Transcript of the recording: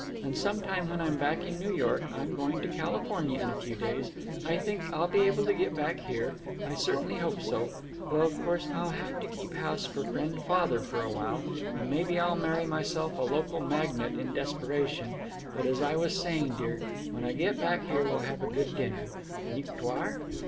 And sometime when I'm back in New York—I'm going to California in a few days—I think I'll be able to get back here—I certainly hope so—though of course I'll have to keep house for friend father for a while, and maybe I'll marry myself with a local magnate in desperation—but, as I was saying, dear, when I get back here we'll have a good dinner, _nicht wahr?